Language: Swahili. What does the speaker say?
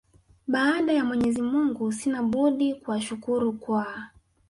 Baada ya Mwenyezi mungu sina budi kuwashukuru kwa